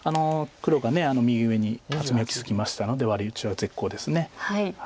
黒が右上に厚みを築きましたのでワリ打ちは絶好です。